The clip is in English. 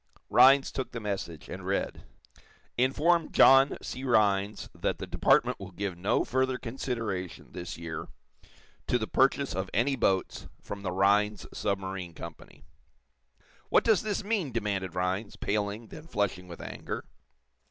Rhinds took the message, and read: _"Inform John C. Rhinds that the Department will give no further consideration, this year, to the purchase of any boats from the Rhinds Submarine Company."_ "What does this mean!" demanded Rhinds, paling, then flushing with anger.